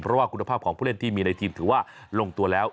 เพราะว่าคุณภาพของผู้เล่นที่มีในทีมถือว่าลงตัวแล้ว